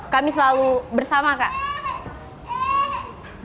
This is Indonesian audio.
kami selalu bersama kak